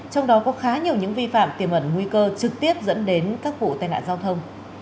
trong đó có khá nhiều những vi phạm tiềm ẩn nguy cơ trực tiếp dẫn đến các vụ tai nạn giao thông